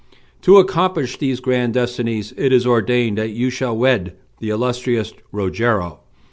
] To accomplish these grand destinies it is ordained that you shall wed the illustrious Rogero.